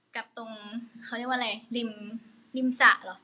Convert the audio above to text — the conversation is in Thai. กับตรงเขาเรียกว่าอะไรริมริมสระเหรอ